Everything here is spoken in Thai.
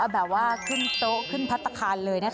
แบบว่าขึ้นโต๊ะขึ้นพัฒนาคารเลยนะคะ